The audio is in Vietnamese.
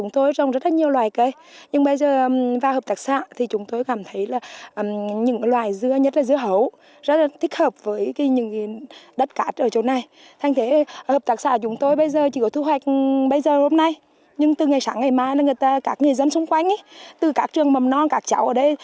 tại vì chúng ta chỉ có thu hoạch bây giờ hôm nay nhưng từ ngày sáng ngày mai là các người dân xung quanh từ các trường mầm non các cháu ở đây